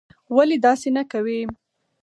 ولي داسې نه کوې?